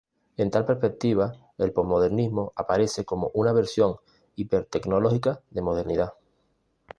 En tal perspectiva, el posmodernismo aparece sólo como una versión hiper-tecnológica de modernidad.